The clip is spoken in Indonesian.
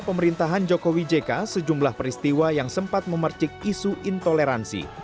pemerintahan jokowi jk sejumlah peristiwa yang sempat memercik isu intoleransi